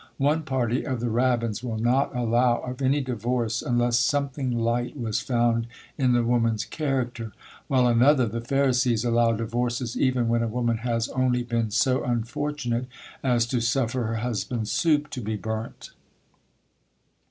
One party of the rabbins will not allow of any divorce, unless something light was found in the woman's character, while another (the Pharisees) allow divorces even when a woman has only been so unfortunate as to suffer her husband's soup to be burnt!